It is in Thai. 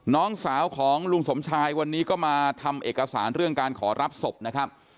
น้องสาวของลุงสมชายวันนี้ก็มาทำเอกสารเรื่องการขอรับศพนะครับ